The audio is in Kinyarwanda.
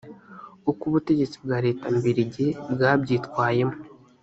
uko ubutegetsi bwa leta mbirigi bwabyitwayemo